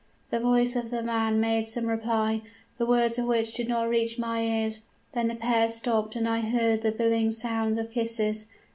"The voice of a man made some reply, the words of which did not reach my ears; then the pair stopped and I heard the billing sound of kisses.